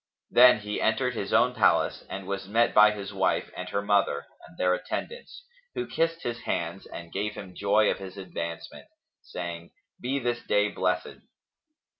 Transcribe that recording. Then he entered his own palace and was met by his wife and her mother and their attendants, who kissed his hands and gave him joy of his advancement, saying, "Be this day blessed!"